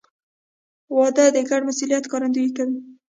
• واده د ګډ مسؤلیت ښکارندویي کوي.